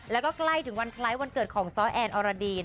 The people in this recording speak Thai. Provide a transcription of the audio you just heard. แล้วก็ใกล้ถึงวันคล้ายวันเกิดของซ้อแอนอรดี